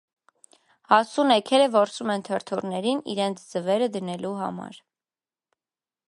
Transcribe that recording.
Հասուն էգերը որսում են թրթուրներին, իրենց ձվերը դնելու համար։